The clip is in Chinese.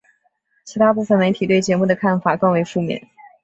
其它部分媒体对节目的看法更为负面。